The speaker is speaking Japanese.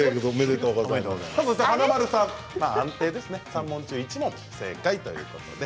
華丸さん、安定ですね３問中１問正解ということです。